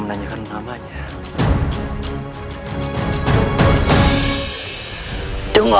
kepada prabu siliwang